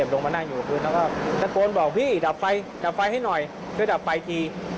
แล้วก็สะโบนบอกพี่ดับไฟให้หน่อยช่วยดับไฟเธอ